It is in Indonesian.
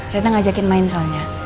rena ngajakin main soalnya